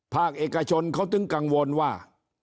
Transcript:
ภาคเอกชนเขาถึงกังวลว่า